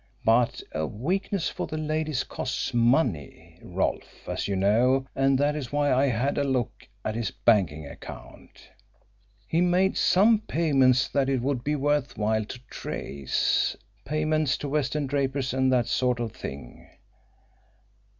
But a weakness for the ladies costs money, Rolfe, as you know, and that is why I had a look at his banking account. He made some payments that it would be worth while to trace payments to West End drapers and that sort of thing.